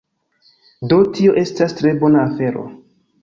Do, tio estas tre bona afero